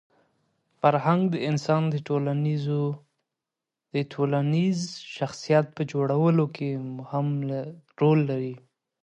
فرهنګ د انسان د ټولنیز شخصیت په جوړولو کي مهم رول لري.